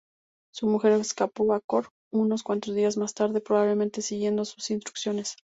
Su mujer escapó a Cork unos cuantos días más tarde, probablemente siguiendo sus instrucciones.